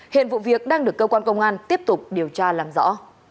hiện vụ việc đang được cơ quan công an tiếp tục điều tra làm rõ